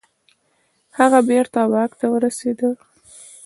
هغه بیرته واک ته ورسیده.